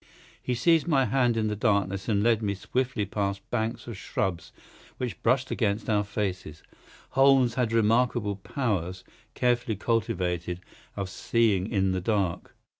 He seized my hand in the darkness and led me swiftly past banks of shrubs which brushed against our faces. Holmes had remarkable powers, carefully cultivated, of seeing in the dark.